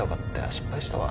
失敗したわ。